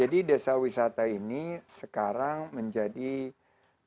jadi desa wisata ini sekarang menjadi pilihan